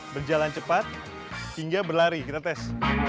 berjalan cepat hingga berlari kita tes